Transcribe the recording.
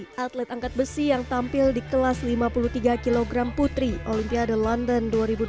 di atlet angkat besi yang tampil di kelas lima puluh tiga kg putri olimpiade london dua ribu dua belas